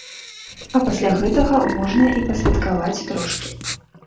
А пасля гэтага можна і пасвяткаваць трошкі.